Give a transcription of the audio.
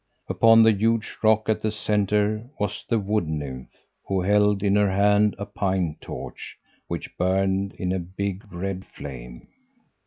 Upon the huge rock at the centre was the Wood nymph, who held in her hand a pine torch which burned in a big red flame.